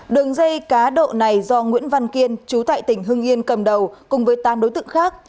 đường dây cá độ này do nguyễn văn kiên chú tại tỉnh hưng yên cầm đầu cùng với tám đối tượng khác